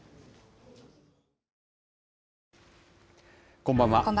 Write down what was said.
こんばんは。